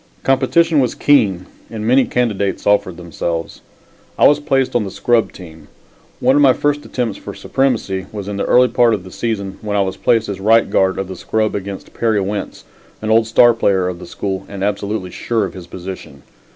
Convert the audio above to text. Competition was keen and many candidates offered themselves. I was placed on the scrub team. One of my first attempts for supremacy was in the early part of the season when I was placed as right guard of the scrub against Perry Wentz, an old star player of the school and absolutely sure of his position.